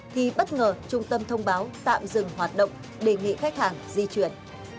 thì bất ngờ trung tâm thông báo tạm dừng hoạt động đề nghị khách hàng di chuyển